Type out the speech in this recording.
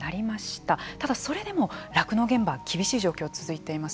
ただ、それでも酪農現場は厳しい状況が続いています。